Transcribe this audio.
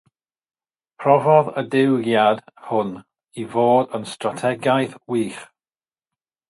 Profodd y diwygiad hwn i fod yn strategaeth wych.